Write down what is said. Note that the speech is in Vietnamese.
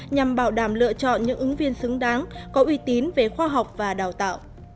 nhằm bảo đảm lựa chọn những ứng viên xứng đáng có uy tín về khoa học và đào tạo